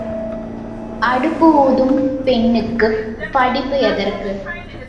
அடுப்பு ஊதும் பெண்ணுக்குப் படிப்பு எதற்கு?